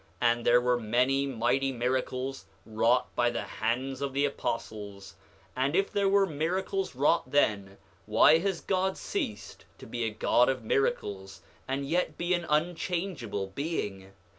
And there were many mighty miracles wrought by the hands of the apostles. 9:19 And if there were miracles wrought then, why has God ceased to be a God of miracles and yet be an unchangeable Being?